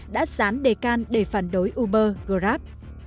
đã dán đề can để phản đối uber grab